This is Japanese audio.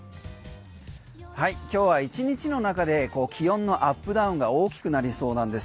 今日は１日の中で気温のアップダウンが大きくなりそうなんです。